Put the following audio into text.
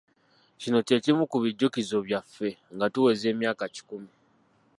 Kino kye kimu ku bijjukizo byaffe nga tuweza emyaka kikumi.